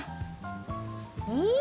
うん！